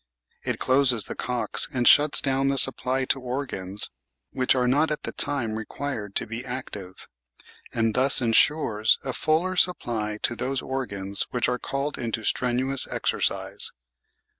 It closes the cocks and shuts down the supply to organs which are not at the time required to be active, and thus ensures a fuller supply to those organs which are called into strenuous exercise.